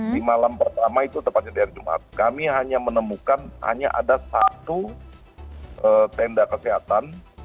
di malam pertama itu tepatnya di hari jumat kami hanya menemukan hanya ada satu tenda kesehatan